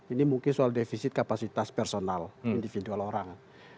ini mungkin soal defisit kapasitas personal individual orang